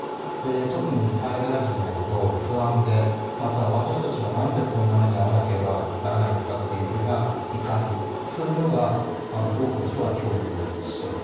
特に災害時になると不安でまた、私たちは何でこんな目に遭わなければならないのかという怒り、そういうものを多くの人が共有します。